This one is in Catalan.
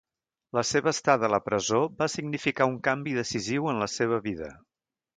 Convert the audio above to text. La seva estada a la presó va significar un canvi decisiu en la seva vida.